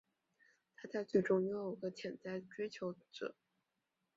她在剧中拥有一个潜在追求者。